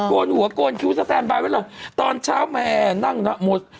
โกนหัวโกนคิ้วสแตนบายไว้เหรอตอนเช้าแม่นั่งนะหมด